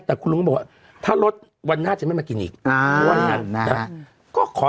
แต่คุณลุงก็บอกว่าถ้าลดวันหน้าจะไม่มากินอีก